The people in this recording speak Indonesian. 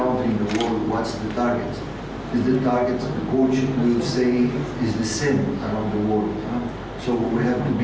menarik adalah penyelesaian di seluruh dunia